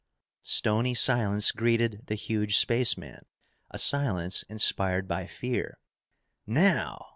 _" Stony silence greeted the huge spaceman, a silence inspired by fear. "Now!"